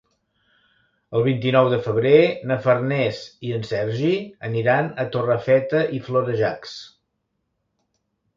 El vint-i-nou de febrer na Farners i en Sergi aniran a Torrefeta i Florejacs.